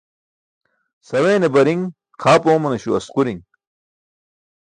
Saweene bari̇ṅ xaap oomanaśo asquri̇ṅ.